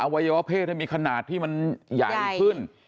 วัยวะเพศมีขนาดที่มันใหญ่ขึ้น